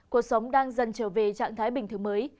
cuộc sống đang dần trở về trạng thái bình thường mới